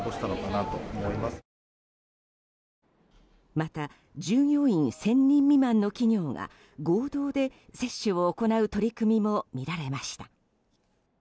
また従業員１０００人未満の企業が合同で接種を行う取り組みも見られました。